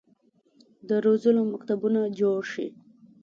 د روزلو مکتبونه جوړ شي.